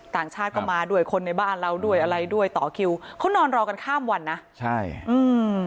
ต่างชาติก็มาด้วยคนในบ้านเราด้วยอะไรด้วยต่อคิวเขานอนรอกันข้ามวันนะใช่อืม